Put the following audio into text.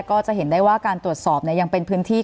กันต่อที